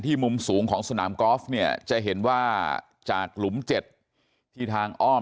มุมสูงของสนามกอล์ฟเนี่ยจะเห็นว่าจากหลุม๗ที่ทางอ้อม